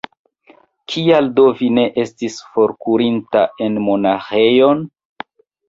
Kial do vi ne estis forkurinta en monaĥejon?